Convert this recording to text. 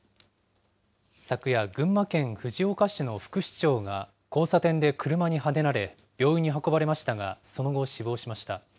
昨夜、群馬県藤岡市の副市長が、交差点で車にはねられ、病院に運ばれましたが、その後、死亡しました。